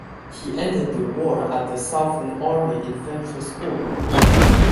He ended the war at the Southern Army Infantry School.